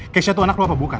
keisha tuh anak lo apa bukan